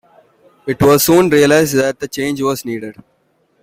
It was soon realized that change was needed.